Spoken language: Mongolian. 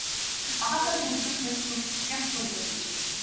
Багаасаа тэр үлгэр туульст зүрх сэтгэлээ өгсөн хүүхэд.